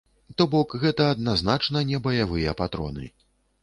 То бок гэта адназначна не баявыя патроны.